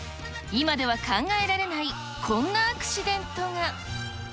今では考えられない、こんなアクシデントが。